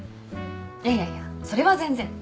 いやいやいやそれは全然。